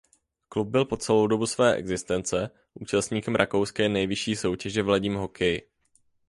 Klub byl po celou dobu své existence účastníkem rakouské nejvyšší soutěže v ledním hokeji.